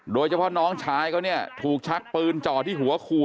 โดยเฉพาะน้องชายเขาเนี่ยถูกชักปืนจ่อที่หัวขู่